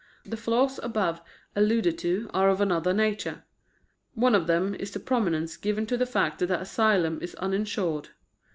The flaws above alluded to are of another nature. One of them is the prominence given to the fact that the Asylum is uninsured.